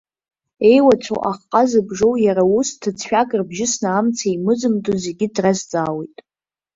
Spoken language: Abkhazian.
Еиуацәоу, ахҟа зыбжьоу, иара ус, ҭыӡшәак рыбжьысны амца еимызымдо зегьы дразҵаауеит.